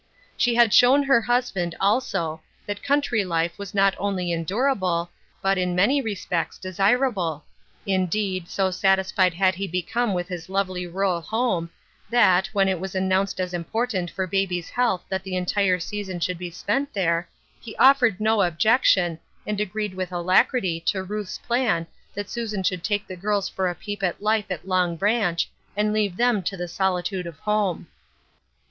She had shown her husband, also, that country life was not only endurable, but, in many respects, desirable ; indeed, so satisfied had he become with his lovely rural home, that, when it was announced as important for baby's health that the entire season should be spent there, he offered no objection, and agreed with alacrity to Ruth's plan that Susan should take the girls for a peep at life at Long Branch, and leave them to tl\e solitude of home.